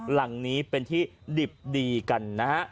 หลังนี้เป็นที่ดิบดีกันนะฮะ